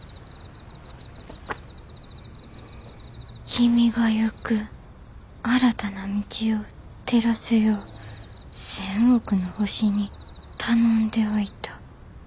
「君が行く新たな道を照らすよう千億の星に頼んでおいた」。